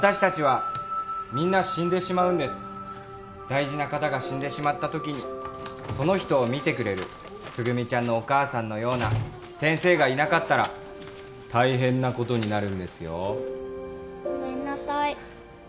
大事な方が死んでしまったときにその人を診てくれるつぐみちゃんのお母さんのような先生がいなかったら大変なことになるんですよ。ごめんなさい。